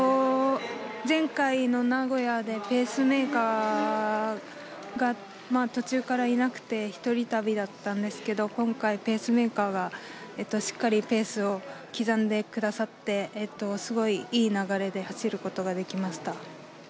前回の名古屋でペースメーカーが途中からいなくて１人旅だったんですけど今回、ペースメーカーがしっかりペースを刻んでくださってすごいいい流れで走ることができました。